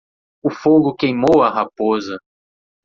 O fogo queimou a raposa.